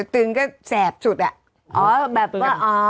ตึงก็แสบสุดอะแบบว่าอ๋อ